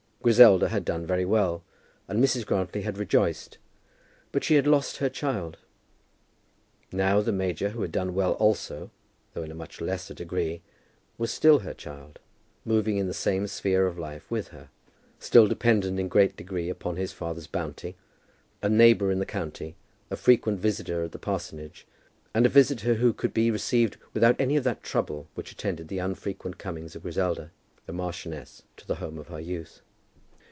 Griselda had done very well, and Mrs. Grantly had rejoiced; but she had lost her child. Now the major, who had done well also, though in a much lesser degree, was still her child, moving in the same sphere of life with her, still dependent in a great degree upon his father's bounty, a neighbour in the county, a frequent visitor at the parsonage, and a visitor who could be received without any of that trouble which attended the unfrequent comings of Griselda, the marchioness, to the home of her youth.